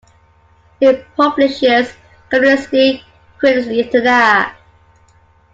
It publishes "Kommunisty Kyrgyzstana".